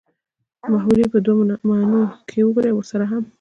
محاورې په دوو معنو کښې وګورئ او ورسره هم